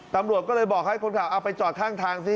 ตำรวจก็เลยบอกให้คนขับเอาไปจอดข้างทางซิ